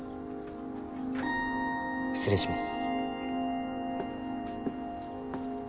失礼します。